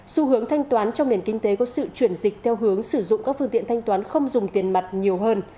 xu hướng thanh toán trong nền kinh tế có sự chuyển dịch theo hướng sử dụng các phương tiện thanh toán không dùng tiền mặt nhiều hơn